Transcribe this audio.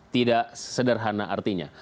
tidak sederhana artinya